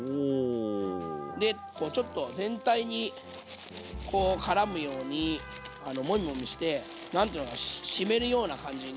でこうちょっと全体にこうからむようにもみもみして何て言うのかな湿るような感じで。